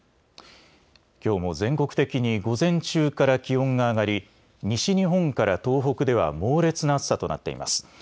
きょうも全国的に午前中から気温が上がり西日本から東北では猛烈な暑さとなっています。